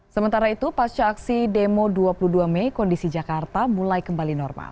sementara itu pasca aksi demo dua puluh dua mei kondisi jakarta mulai kembali normal